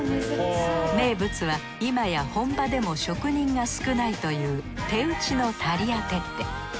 名物は今や本場でも職人が少ないという手打ちのタリアテッレ。